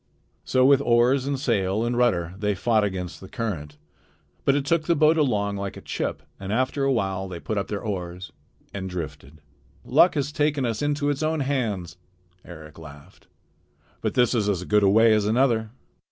So with oars and sail and rudder they fought against the current, but it took the boat along like a chip, and after a while they put up their oars and drifted. "Luck has taken us into its own hands," Eric laughed. "But this is as good a way as another."